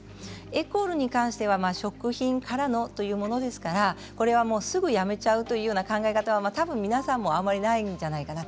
エクオールに関しては食品からのというものですからこれはすぐやめちゃうというような考え方はたぶん皆さんもあまりないんじゃないかな。